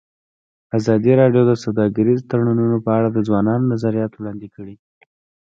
ازادي راډیو د سوداګریز تړونونه په اړه د ځوانانو نظریات وړاندې کړي.